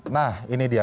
nah ini dia